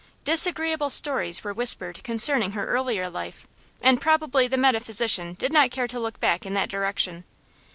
Disagreeable stories were whispered concerning her earlier life, and probably the metaphysician did not care to look back in that direction.